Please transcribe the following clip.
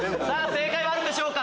正解はあるんでしょうか？